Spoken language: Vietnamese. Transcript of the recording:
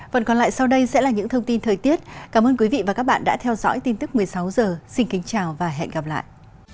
phần còn lại sau đây sẽ là những thông tin thời tiết cảm ơn quý vị và các bạn đã theo dõi tin tức một mươi sáu h xin kính chào và hẹn gặp lại